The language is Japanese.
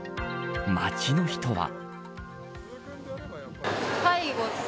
街の人は。